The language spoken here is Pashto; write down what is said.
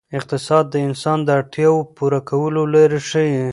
اقتصاد د انسان د اړتیاوو پوره کولو لارې ښيي.